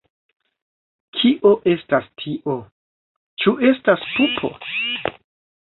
Kio estas tio? Ĉu estas pupo?